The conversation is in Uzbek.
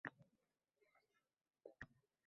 bu yangi mavsum juda yaxshi o‘tishidan dalolat beradi.